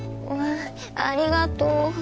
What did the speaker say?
わぁありがとう。